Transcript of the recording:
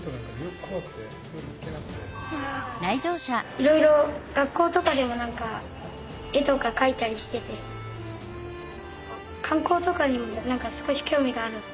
いろいろ学校とかでも絵とか描いたりしてて観光とかにも少し興味がある。